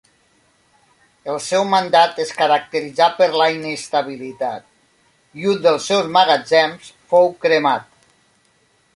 El seu mandat es caracteritzà per la inestabilitat i un dels seus magatzems fou cremat.